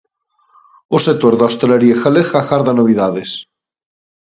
O sector da hostalaría galega agarda novidades.